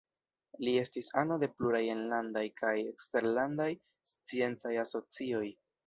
Li estis ano de pluraj enlandaj kaj eksterlandaj sciencaj asocioj.